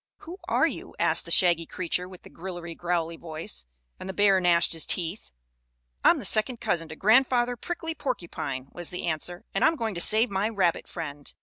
"Who are you?" asked the shaggy creature with the grillery growlery voice, and the bear gnashed his teeth. "I'm the second cousin to Grandfather Prickly Porcupine," was the answer, "and I'm going to save my rabbit friend."